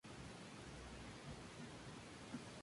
En el mismo año se le conoce como "Colegio Nacional".